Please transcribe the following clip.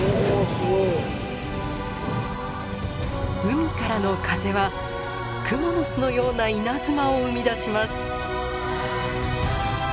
海からの風はクモの巣のような稲妻を生み出します。